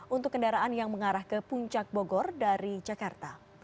untuk kendaraan yang mengarah ke puncak bogor dari jakarta